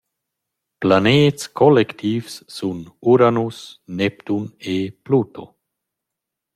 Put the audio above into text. Planets collectivs sun uranus, neptun e pluto.